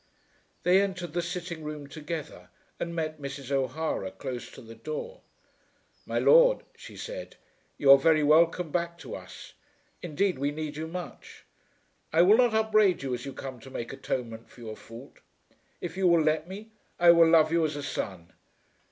They entered the sitting room together and met Mrs. O'Hara close to the door. "My Lord," she said, "you are very welcome back to us. Indeed we need you much. I will not upbraid you as you come to make atonement for your fault. If you will let me I will love you as a son."